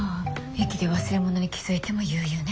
駅で忘れ物に気付いても悠々ね。